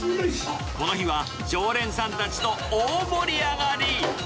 この日は、常連さんたちと大盛り上がり。